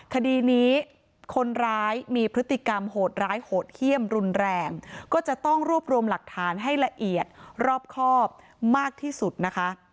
คดีนี้คนร้ายมีพฤติกรรมโหดร้ายโหดเยี่ยมรุนแรงก็จะต้องรวบรวมหลักฐานให้ละเอียดรอบครอบมากที่สุดนะคะ